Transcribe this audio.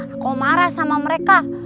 aku marah sama mereka